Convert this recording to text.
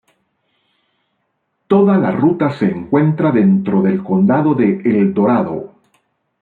Toda la ruta se encuentra dentro del condado de El Dorado.